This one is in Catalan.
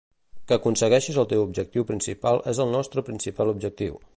Que aconsegueixis el teu objectiu principal és el nostre principal objectiu.